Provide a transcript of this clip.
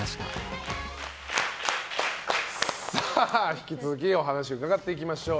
引き続きお話伺っていきましょう。